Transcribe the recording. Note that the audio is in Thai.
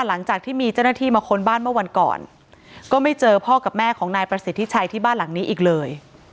หลังจากที่มีเจ้าหน้าที่มาค้นบ้านเมื่อวันก่อนก็ไม่เจอพ่อกับแม่ของนายประสิทธิชัยที่บ้านหลังนี้อีกเลย